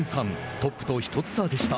トップと１つ差でした。